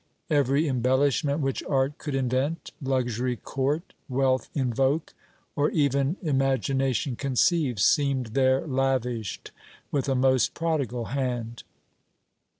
Every embellishment which art could invent, luxury court, wealth invoke, or even imagination conceive, seemed there lavished with a most prodigal hand.